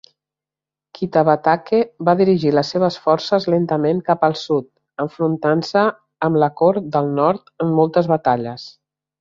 Kitabatake va dirigir les seves forces lentament cap al sud, enfrontant-se amb la Cort del Nord en moltes batalles.